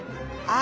あ！